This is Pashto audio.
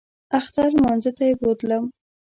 اختر لمانځه ته یې بوتلم.